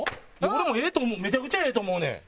俺もええと思うめちゃくちゃええと思うねん。